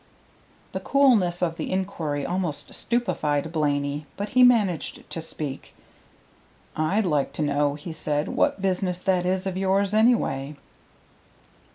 The coolness of the inquiry almost stupefied Blaney, but he managed to speak. "I'd like to know," he said, "what business that is of yours, anyway."